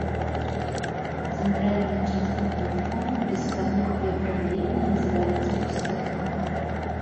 Цэнтральная частка плафона без падуг і абрамлення называецца люстэркам.